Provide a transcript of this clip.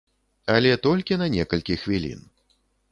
Але толькі на некалькі хвілін.